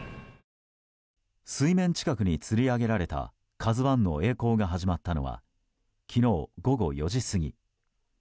水面近くにつり上げられた「ＫＡＺＵ１」のえい航が始まったのが昨日午後４時過ぎ。